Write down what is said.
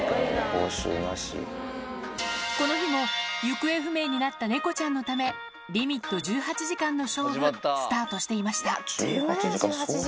この日も行方不明になった猫ちゃんのため、リミット１８時間の勝負、スタートしていました。